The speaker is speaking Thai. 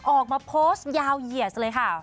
ออกมาโพสต์ยาวเหยียดเลยค่ะ